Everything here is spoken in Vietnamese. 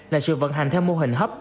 là sự vận hành theo mô hình hấp